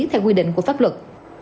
theo quy định của pháp luật